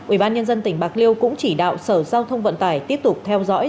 ubnd tỉnh bạc liêu cũng chỉ đạo sở giao thông vận tải tiếp tục theo dõi